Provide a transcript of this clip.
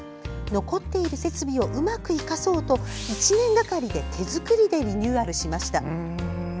残っている設備をうまく生かそうと１年がかりで手作りでリニューアルしました。